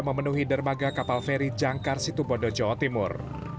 memenuhi dermaga kapal feri jangkar situbondo jawa timur